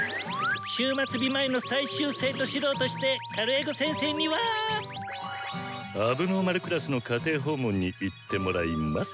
終末日前の最終生徒指導としてカルエゴ先生には問題児クラスの家庭訪問に行ってもらいます！